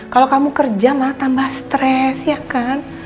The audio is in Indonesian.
kalau kamu kerja malah tambah stres ya kan